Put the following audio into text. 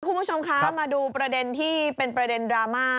คุณผู้ชมคะมาดูประเด็นที่เป็นประเด็นดราม่า